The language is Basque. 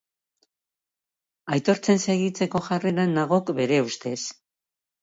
Aitortzen segitzeko jarreran nagok bere ustez.